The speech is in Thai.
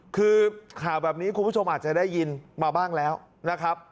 คือข่าวแบบนี้คุณผู้ชมอาจจะได้ยินมาบ้างแล้วนะครับ